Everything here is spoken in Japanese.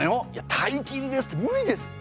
大金ですって無理ですって。